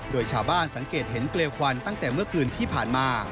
โดยชาวบ้านสังเกตเห็นเปลวควันตั้งแต่เมื่อคืนที่ผ่านมา